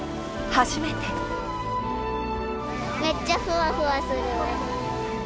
めっちゃふわふわする。